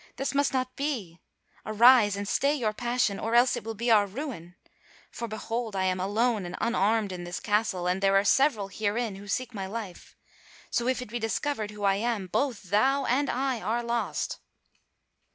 This must not be arise, and stay your passion or else it will be our ruin. For behold, I am alone and unarmed in this castle, and there are several herein who seek my life. So if it be discovered who I am, both thou and I are lost."